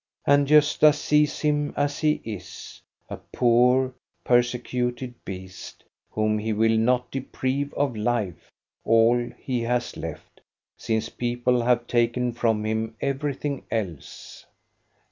And Gosta sees him as he is, — a poor, persecuted beast, whom he will not deprive of life, all he has left, since people have taken from him everything else.